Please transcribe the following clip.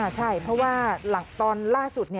ใช่เพราะว่าตอนล่าสุด